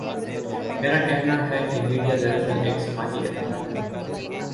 میرا کہنا ہے کہ میڈیا دراصل ایک سماجی ادارہ ہے۔